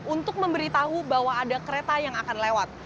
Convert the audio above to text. untuk memberitahu bahwa ada kereta yang akan lewat